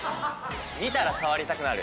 見たら触りたくなる。